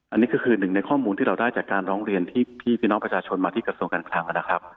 อันนี้ก็คือหนึ่งในข้อมูลที่เราได้จากการร้องเรียนที่พี่น้องประชาชนมาที่กระทรวงการคลังนะครับ